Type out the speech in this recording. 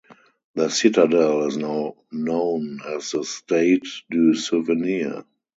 The citadel is now known as the Stade du Souvenir.